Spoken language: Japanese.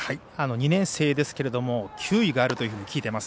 ２年生ですけども球威があると聞いています。